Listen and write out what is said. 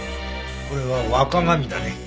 これは和鏡だね。